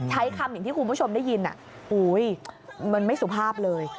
ใช้คำอย่างที่คุณผู้ชมได้ยินมันไม่สุภาพเลย